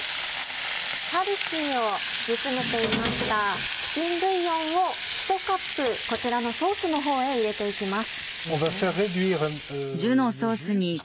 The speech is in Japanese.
ファルシーを煮詰めていましたチキンブイヨンを１カップこちらのソースのほうへ入れて行きます。